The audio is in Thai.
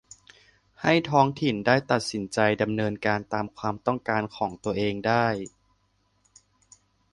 ให้ท้องถิ่นได้ตัดสินใจดำเนินการตามความต้องการของตัวเองได้